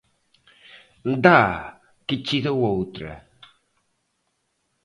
Dá que te dou outra!